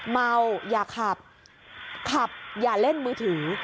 เมาอย่าขับขับอย่าเล่นมือถือ